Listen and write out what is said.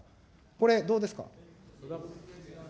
これ、どうですか。